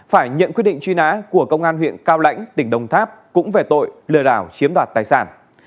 phải nhận quyết định truy nã của công an huyện cao lãnh tỉnh đồng tháp cũng về tội lừa đảo chiếm đoạt tài sản